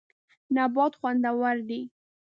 نبات خوندور دی.